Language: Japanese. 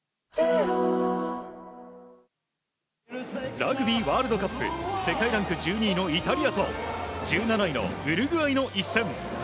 ラグビーワールドカップ世界ランク１２位のイタリアと１７位のウルグアイの一戦。